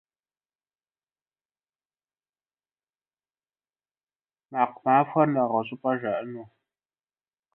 Дата заседания будет объявлена отдельно.